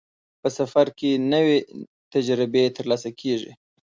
په سفر کې نوې تجربې ترلاسه کېږي.